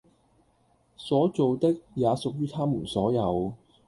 所造的也屬於它們所有